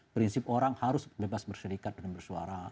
prinsip orang harus bebas bersyarikat dan bersuara